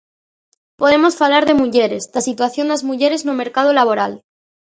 Podemos falar de mulleres, da situación das mulleres no mercado laboral.